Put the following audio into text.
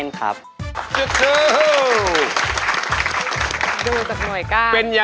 นี่